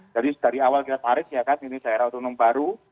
jadi dari awal kita tarik ya kan ini daerah utunung baru